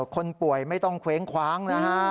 คนป่วยไม่ต้องเคว้งคว้างนะฮะ